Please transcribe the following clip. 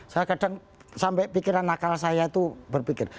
saya kadang sampai pikiran nakal saya itu berpikir